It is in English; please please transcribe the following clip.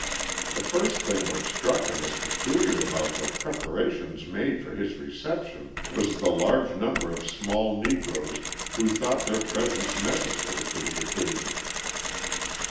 The first thing which struck him as peculiar about the preparations made for his reception was the large number of small negroes who thought their presence necessary to the occasion.